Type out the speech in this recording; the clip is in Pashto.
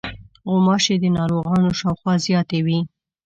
غوماشې د ناروغانو شاوخوا زیاتې وي.